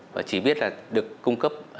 và chỉ biết là được cung cấp